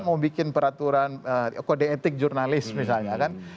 mau bikin peraturan kode etik jurnalis misalnya kan